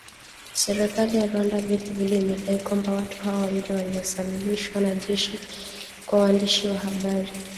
Serikali ya Rwanda vile vile imedai kwamba watu hao wawili walioasilishwa na jeshi kwa waandishi wa habari